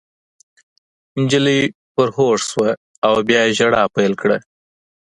نجلۍ په هوښ شوه او بیا یې ژړا پیل کړه